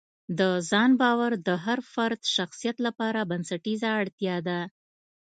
د ځان باور د هر فرد شخصیت لپاره بنسټیزه اړتیا ده.